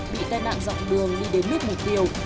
bị tai nạn dọc đường đi đến nước mục tiêu